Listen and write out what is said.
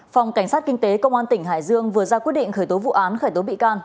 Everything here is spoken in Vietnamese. phòng cảnh sát kinh tế công an tỉnh hải dương vừa ra quyết định khởi tố vụ án khởi tố bị can